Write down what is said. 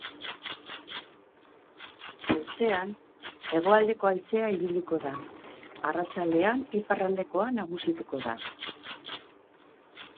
Goizean hegoaldeko haizea ibiliko da, arratsaldean iparraldekoa nagusituko da.